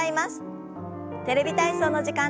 「テレビ体操」の時間です。